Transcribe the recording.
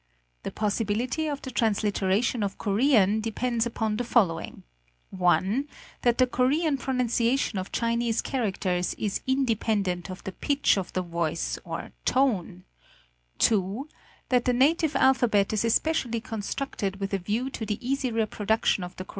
The possibility of the transliteration of Korean depends upon the following: (1) that the Korean pronunciation of Chinese characters is indepen dent of the pitch of the voice or tone; (2) that the native alpha bet is especially constructed with a view to the easy reproduction Korea and the Koreans.